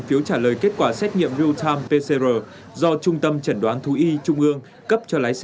phiếu trả lời kết quả xét nghiệm real time pcr do trung tâm chẩn đoán thú y trung ương cấp cho lái